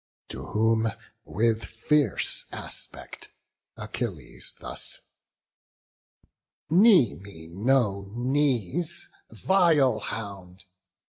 To whom, with fierce aspect, Achilles thus: "Knee me no knees, vile hound!